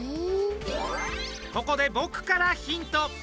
ここで僕からヒント。